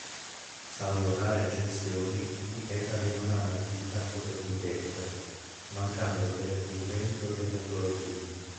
Salvo rare eccezioni, i petali non hanno attività fotosintetica, mancando del pigmento della clorofilla.